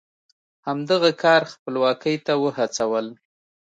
همدغه کار خپلواکۍ ته وهڅول.